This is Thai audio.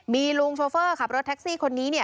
มีลุงโชเฟอร์ขับรถแท็กซี่คนนี้เนี่ย